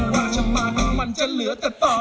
เพราะหากไม่ทันระวังไม่โดนคนมาม